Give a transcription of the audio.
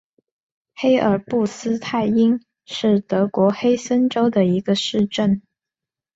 黑尔布斯泰因是德国黑森州的一个市镇。